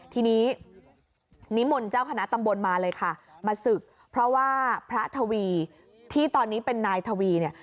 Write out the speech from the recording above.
ที่นี้นิมนต์พระอาจารย์จ้าวคณะตำบรรดิมาเลยค่ะมาศึกเพราะว่าพระทวีที่เป็นนายทวีเนี่ย